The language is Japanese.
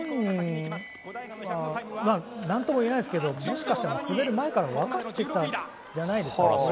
何とも言えないですけどもしかしたら滑る前から分かっていたんじゃないんですかね。